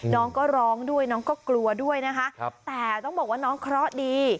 น้องก็ร้องด้วยน้องก็กลัวด้วยนะคะแต่ต้องบอกว่าน้องเคราะห์ดี